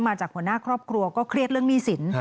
มาจากหัวหน้าครอบครัวก็เครียดเรื่องหนี้สิน